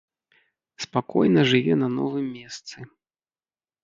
Спакойна жыве на новым месцы.